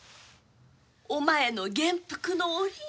お前の元服の折に。